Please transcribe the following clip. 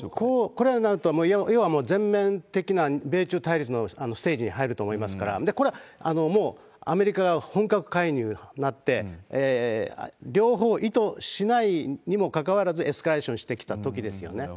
こうなると、もう、要は全面的な米中対立のステージに入ると思いますから、これはもうアメリカが本格介入になって、両方意図しないにもかかわらず、エスカレーションしてきたときですよね。